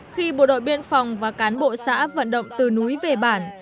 khi bộ đội biên phòng và cán bộ xã vận động từ núi về bản